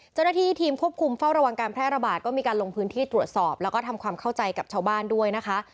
เจ้าหน้าที่ทีมควบคุมเฝ้าระวังการแพร่ระบาดก็มีการลงพื้นที่ตรวจสอบแล้วก็ทำความเข้าใจกับชาวบ้านด้วยนะคะ